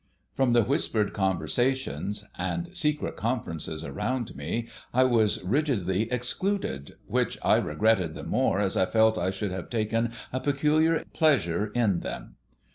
From the whispered conversations and secret conferences around me I was rigidly excluded, which I regretted the more as I felt I should have taken a peculiar pleasure in them.